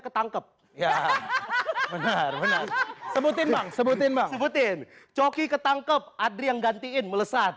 ketangkep ya benar benar sebutin bang sebutin bangutin coki ketangkep adrian gantiin melesat